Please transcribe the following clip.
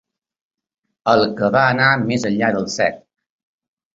El que va anar més enllà del set.